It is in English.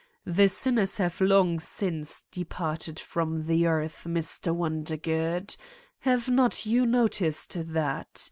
The sinners have long since departed from the earth, Mr. Wondergood. Have not you noticed that?